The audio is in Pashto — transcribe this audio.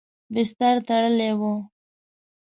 بستر تړلی و.